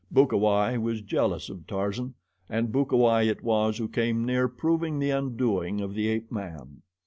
Bukawai was jealous of Tarzan, and Bukawai it was who came near proving the undoing of the ape man.